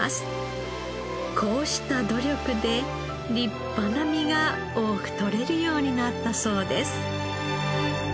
こうした努力で立派な実が多くとれるようになったそうです。